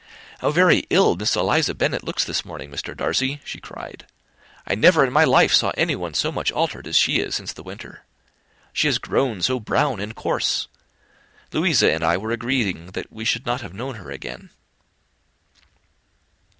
"How very ill Eliza Bennet looks this morning, Mr. Darcy," she cried: "I never in my life saw anyone so much altered as she is since the winter. She is grown so brown and coarse! Louisa and I were agreeing that we should not have known her again."